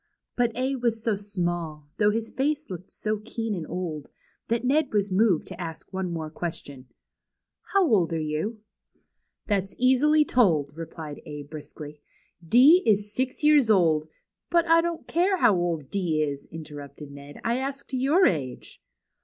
But A was so small, though his face looked so keen and old, that Ned was moved to ask one more question. ^^How old are you?" 6o THE CHILDREN'S WONDER BOOK. " That's easily told," replied A, briskly. D is six years old "—" But I don't care how old D is," interrupted Ned. " I asked your age."